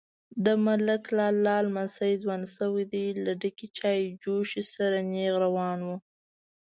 _د ملک لالا لمسی ځوان شوی دی، له ډکې چايجوشې سره نيغ روان و.